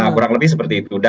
kurang lebih seperti itu